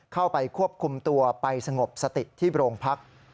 เข้าไปควบคุมตัวไปสงบสติที่โรงพัก